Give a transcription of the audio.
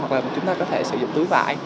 hoặc là chúng ta có thể sử dụng túi vải